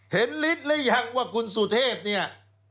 ฤทธิ์หรือยังว่าคุณสุเทพเนี่ย